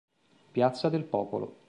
Piazza del Popolo